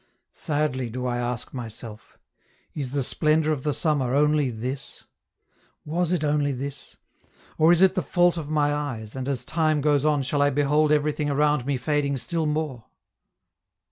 Sadly do I ask myself Is the splendor of the summer only this? Was it only this? or is it the fault of my eyes, and as time goes on shall I behold everything around me fading still more?